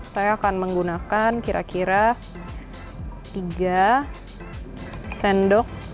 saya akan menggunakan kira kira tiga sendok